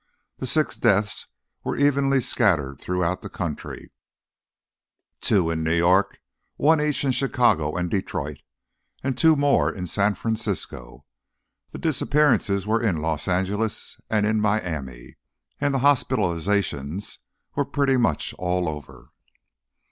The six deaths were evenly scattered throughout the country: two in New York, one each in Chicago and Detroit, and two more in San Francisco. The disappearances were in Los Angeles and in Miami, and the hospitalizations were pretty much all over.